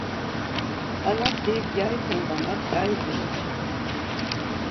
Ǩalati gyariten vana tzǩariten ipşas.